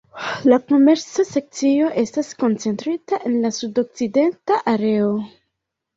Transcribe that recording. La komerca sekcio estas koncentrita en la sudokcidenta areo.